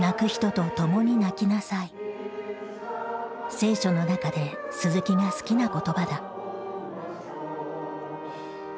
『聖書』の中で鈴木が好きな言葉だ。